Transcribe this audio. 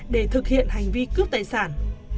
để thực hiện hành vi cướp tài sản